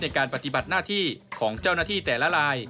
ในการปฏิบัติหน้าที่ของเจ้าหน้าที่แต่ละลาย